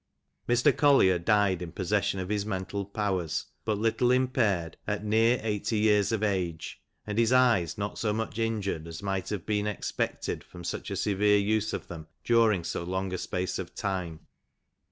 " Mr. Collier died in possession of his faculties, witli his mental powers but little impaired, at nearly eighty years of age, and his eyesight was not so much injured, as anight have been expected from such a severe use of them, during so long a space of time.